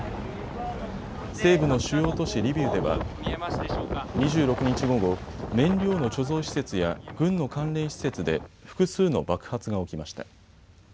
西部の主要都市リビウでは２６日午後、燃料の貯蔵施設や軍の関連施設で複数の爆発が起きました。